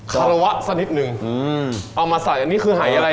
คารวะสักนิดนึงเอามาใส่อันนี้คือหายอะไร